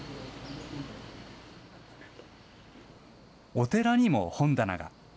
お寺にも本棚が。